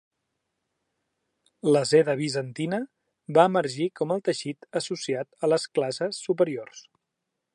La seda bizantina va emergir com el teixit associat a les classes superiors.